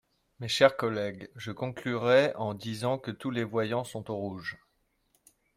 Mes chers collègues, je conclurai en disant que tous les voyants sont au rouge.